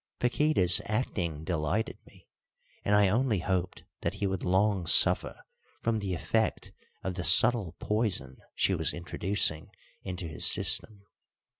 Paquíta's acting delighted me, and I only hoped that he would long suffer from the effect of the subtle poison she was introducing into his system.